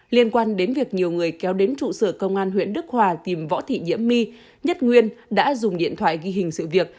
liên quan đến việc nhiều người kéo đến trụ sở công an huyện đức hòa tìm võ thị diễm my nhất nguyên đã dùng điện thoại ghi hình sự việc